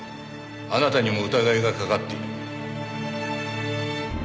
あなたにも疑いがかかっている。